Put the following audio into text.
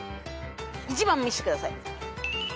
１番見せてください。